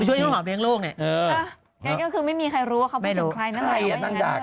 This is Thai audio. ไปช่วยทุกส่วนหอมเปลงโลกไงแกก็คือไม่มีใครรู้ไม่รู้ใครนั่งด่าก